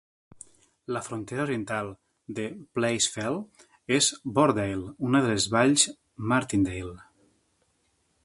La frontera oriental de Place Fell és Boredale, una de les valls Martindale.